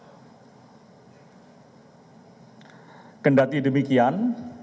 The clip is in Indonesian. kewaspadaan terhadap masyarakat indonesia yang tersebut tergolong rendah hingga sedang atau menengah kendali demikian